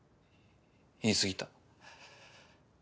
言い過ぎた。